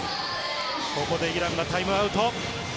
ここでイランがタイムアウト。